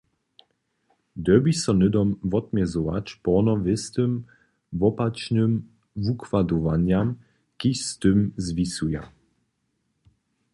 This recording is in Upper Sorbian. Dyrbiš so hnydom wotmjezować porno wěstym wopačnym wukładowanjam, kiž z tym zwisuja.